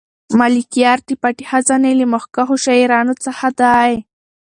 ملکیار د پټې خزانې له مخکښو شاعرانو څخه دی.